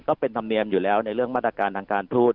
ก็เป็นธรรมเนียมอยู่แล้วในเรื่องมาตรการทางการทูต